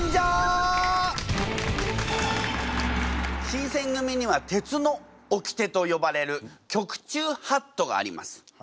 新選組には鉄のおきてと呼ばれる局中法度があります。